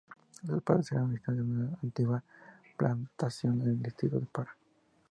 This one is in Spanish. Sus padres eran originarios de una antigua plantación en el distrito de Para.